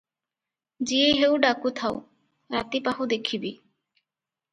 ଯିଏ ହେଉ ଡାକୁଥାଉ, ରାତି ପାହୁ ଦେଖିବି ।